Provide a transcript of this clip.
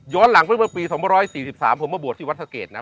ย้อนหลังตั้งแต่ปี๒๔๓ผมมาบวชที่วัฒเกษนะ